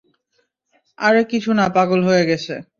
আরে কিছু না পাগল হয়ে গেছে।